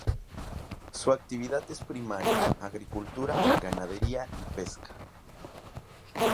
Su actividad es primaria: agricultura, ganadería y pesca.